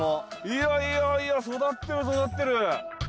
いやいやいや育ってる。